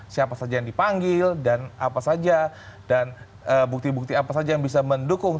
siapa saja yang dipanggil dan apa saja dan bukti bukti apa saja yang bisa mendukung